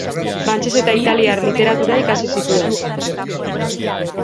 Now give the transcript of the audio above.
Frantses eta italiar literatura ikasi zituen.